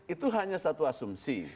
itu hanya satu asumsi